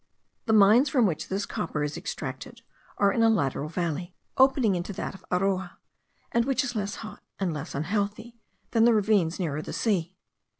The mines from which this copper is extracted, are in a lateral valley, opening into that of Aroa; and which is less hot, and less unhealthy, than the ravines nearer the sea.